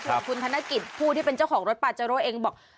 คุณธนกิจผู้ที่เป็นเจ้าของรถปาเจโร่เองบอก